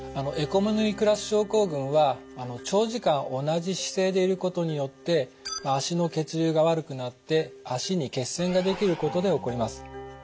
エコノミークラス症候群は長時間同じ姿勢でいることによって脚の血流が悪くなって脚に血栓ができることで起こります。